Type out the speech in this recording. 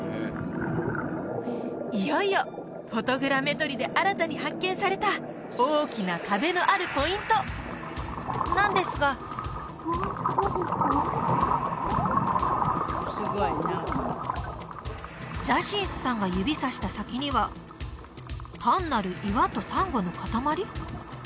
いよいよフォトグラメトリで新たに発見された大きな壁のあるポイントなんですがジャシンスさんが指さした先には単なる岩とサンゴのかたまり？